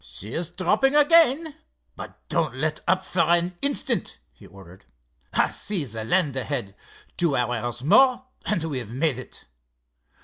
"She's dropping again, but don't let up for an instant," he ordered. "I see the land ahead—two hours more, and we've made it."